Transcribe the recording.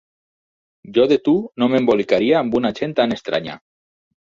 Jo de tu no m'embolicaria amb una gent tan estranya!